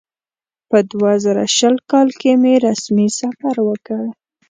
په دوه زره شل کال کې مې رسمي سفر وکړ.